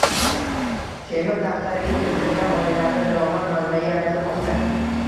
Temir daftarga kiritilgan oilalarda daromad manbai yaratilmoqda